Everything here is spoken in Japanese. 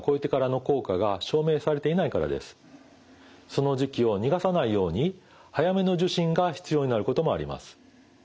その時期を逃がさないように早めの受診が必要になることもあります。